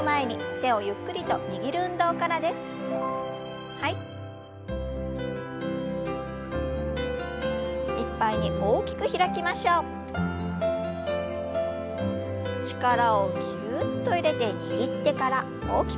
力をぎゅっと入れて握ってから大きく開きます。